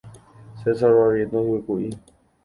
César Barrientos Yvykuʼi.